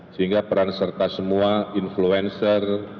sehingga peran serta semua influencer